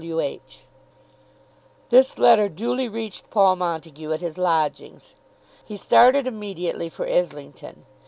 W. H. This letter duly reached Paul Montague at his lodgings. He started immediately for Islington.